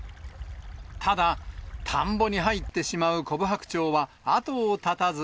ただ、田んぼに入ってしまうコブハクチョウは後を絶たず。